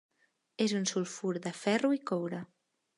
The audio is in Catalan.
És un sulfur de ferro i coure.